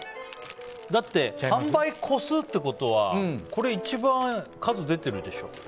だって、販売個数ってことはこれ一番、数出てるでしょ？